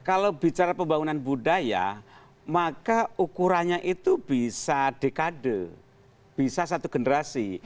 kalau bicara pembangunan budaya maka ukurannya itu bisa dekade bisa satu generasi